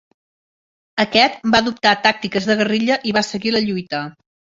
Aquest va adoptar tàctiques de guerrilla i va seguir la lluita.